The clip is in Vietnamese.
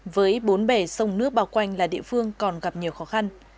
với bốn bể sông nước bao quanh là địa phương còn gặp nhiều khó khăn